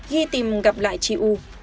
ghi tìm gặp lại chị u